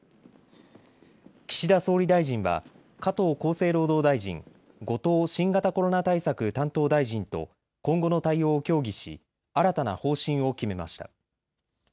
岸田総理大臣は加藤厚生労働大臣、後藤新型コロナ対策担当大臣と今後の対応を協議し新たな方針を決めました。